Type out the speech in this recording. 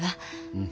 うん。